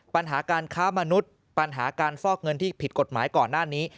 ปัญหาการค้ามนุษย์ปัญหาการฟอกเงินที่ผิดกฎหมายก่อนหน้านี้